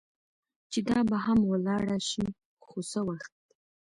چې دا به هم ولاړه شي، خو څه وخت.